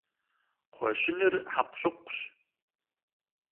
Кхъуэщыныр хьэкъущыкъущ.